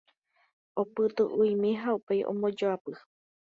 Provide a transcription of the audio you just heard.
Opytu'u'imi ha upéi ombojoapy.